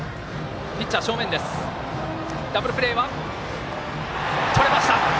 ダブルプレーとれました！